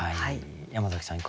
山崎さん